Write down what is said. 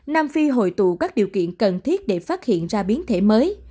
nam phi hội tụ các điều kiện cần thiết để phát hiện ra biến thể mới